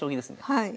はい。